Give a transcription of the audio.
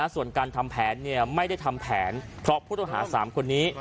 ส่วนการทำแผนเนี่ยไม่ได้ทำแผนเพราะพวดธหาสามคนนี้